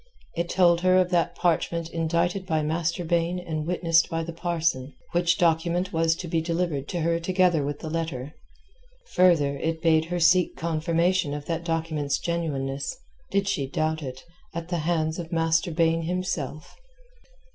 It told her of that parchment indited by Master Baine and witnessed by the parson, which document was to be delivered to her together with the letter. Further, it bade her seek confirmation of that document's genuineness, did she doubt it, at the hands of Master Baine himself.